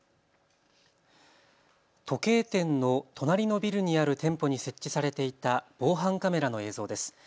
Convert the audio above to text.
時計店の隣のビルにある店舗に設置されていた防犯カメラの映像です。